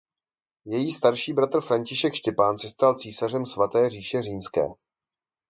Její starší bratr František Štěpán se stal císařem Svaté říše římské.